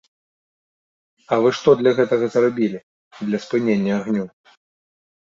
А вы што для гэтага зрабілі, для спынення агню?